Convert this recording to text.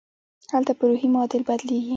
هلته پر روحي معادل بدلېږي.